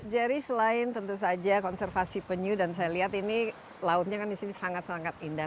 jerry selain tentu saja konservasi penyu dan saya lihat ini lautnya kan di sini sangat sangat indah